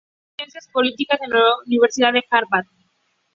Estudió Ciencias Políticas en la Universidad de Harvard.